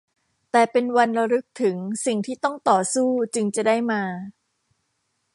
แต่เป็นวันระลึกถึงสิ่งที่ต้องต่อสู้จึงจะได้มา